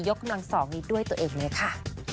กำลัง๒นี้ด้วยตัวเองเลยค่ะ